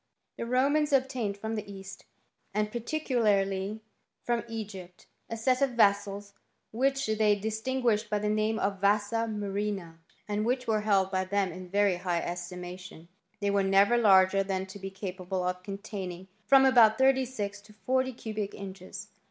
The Romans obtained from the east, and particu* larly from Egypt, a set of vessels which they distin* guished by the name of vasa murrhina, and which were held by them in very high estimation. They were never Isu'ger than to be capable of containinff frcmi about thirty six to forty cubic inches.